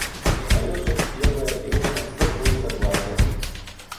Алеша в первое время на всё был согласен.